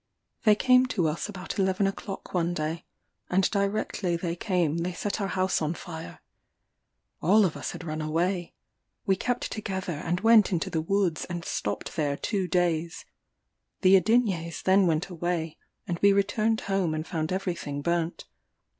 They came to us about eleven o'clock one day, and directly they came they set our house on fire. All of us had run away. We kept together, and went into the woods, and stopped there two days. The Adinyés then went away, and we returned home and found every thing burnt.